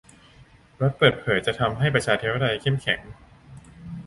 รัฐเปิดเผยจะทำให้ประชาธิปไตยเข้มแข็ง